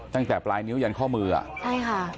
ตั้งแต่ปลายนิ้วยันข้อมืออะ